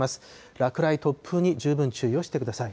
落雷、突風に十分注意をしてください。